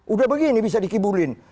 udah begini bisa dikiburin